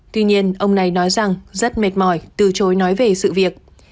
tuy nhiên ông này nói rằng rất mệt mỏi từ chối nói về sự việc